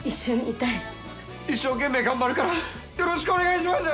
一生懸命頑張るからよろしくお願いします！